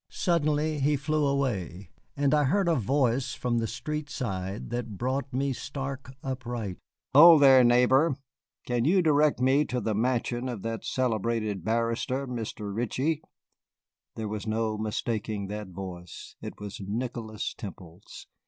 Suddenly he flew away, and I heard a voice from the street side that brought me stark upright. "Hold there, neighbor; can you direct me to the mansion of that celebrated barrister, Mr. Ritchie?" There was no mistaking that voice it was Nicholas Temple's.